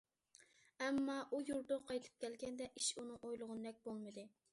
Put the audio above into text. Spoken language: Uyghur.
ئەمما، ئۇ يۇرتىغا قايتىپ كەلگەندە ئىش ئۇنىڭ ئويلىغىنىدەك بولمىدى.